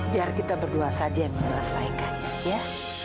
biar kita berdua saja yang menyelesaikannya ya